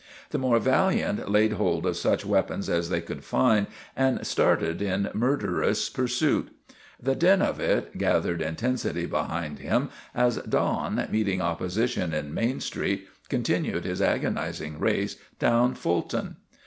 The more valiant laid hold of such weapons as they could find and started in mur derous pursuit. The din of it gathered intensity behind him as Don, meeting opposition in Main Street, continued his agonizing race down Ful ton.